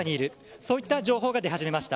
そういった情報が出始めました。